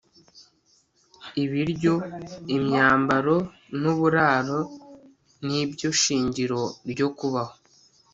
ibiryo, imyambaro nuburaro nibyo shingiro ryo kubaho